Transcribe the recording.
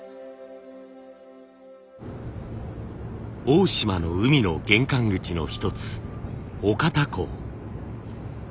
大島の海の玄関口の一つ岡田港。